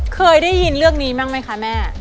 เคยได้ยินเรื่องนี้บ้างไหมคะแม่